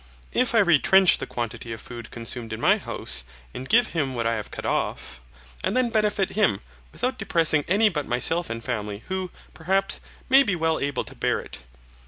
If I retrench the quantity of food consumed in my house, and give him what I have cut off, I then benefit him, without depressing any but myself and family, who, perhaps, may be well able to bear it.